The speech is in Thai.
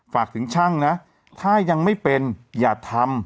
ฝากถึงช่างนะถ้ายังไม่เป็นอย่าทำ